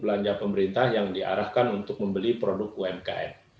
belanja pemerintah yang diarahkan untuk membeli produk umkm